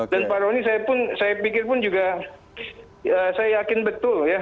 dan pak ronny saya pikir pun juga saya yakin betul ya